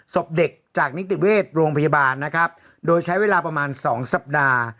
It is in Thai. ศพเด็กจากนิติเวชโรงพยาบาลนะครับโดยใช้เวลาประมาณสองสัปดาห์